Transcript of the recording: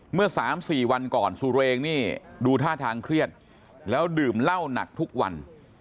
เมื่อ๓๔วันก่อนสุเรงนี่ดูท่าทางเครียดแล้วดื่มเหล้าหนักทุกวัน